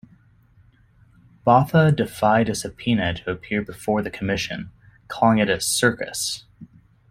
Botha defied a subpoena to appear before the commission, calling it a "circus".